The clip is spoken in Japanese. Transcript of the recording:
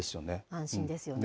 安心ですよね。